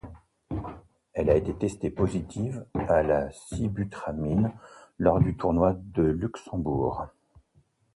Elle a été testée positive à la sibutramine lors du Tournoi de Luxembourg.